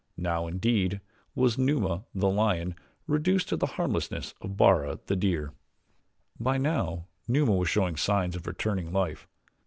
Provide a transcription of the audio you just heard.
Now, indeed, was Numa, the lion, reduced to the harmlessness of Bara, the deer. By now Numa was showing signs of returning life.